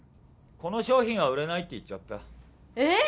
この商品は売れないって言っちゃったええっ！